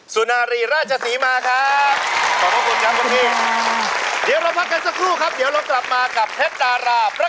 สุนารีราชศรีมาครับขอบคุณครับพี่ค่ะสุนารีราชศรีมาครับขอบคุณครับพี่